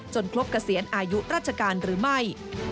ครบเกษียณอายุราชการหรือไม่